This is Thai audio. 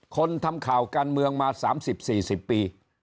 คนทำข่าวการเมืองมา๓๐๔๐ปี